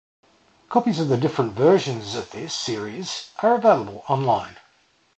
Copies of the different versions of this series are available online.